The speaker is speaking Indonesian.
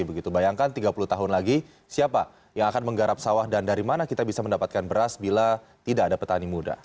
begitu bayangkan tiga puluh tahun lagi siapa yang akan menggarap sawah dan dari mana kita bisa mendapatkan beras bila tidak ada petani muda